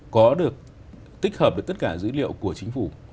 có được tích hợp được tất cả dữ liệu của chính phủ